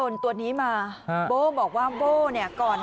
ไม่รู้อะไรกับใคร